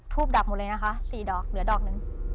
ดับหมดเลยนะคะ๔ดอกเหลือดอกหนึ่ง